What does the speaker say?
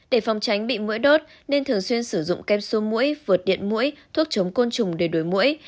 để phòng tránh bị mũi đốt nên thường xuyên sử dụng kem xô mũi vượt điện mũi thuốc chống côn trùng để đổi mũi